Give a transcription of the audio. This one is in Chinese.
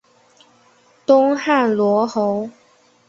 东汉罗侯。